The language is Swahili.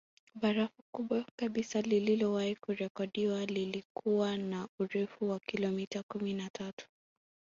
Barafu kubwa kabisa lililowahi kurekodiwa lilikuwa na urefu wa kilometa kumi na tatu